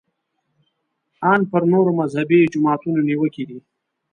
ان پر نورو مذهبي جماعتونو نیوکې دي.